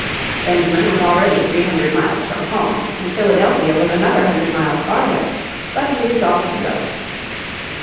Benjamin was already three hundred miles from home, and Philadelphia was another hundred miles farther, but he resolved to go.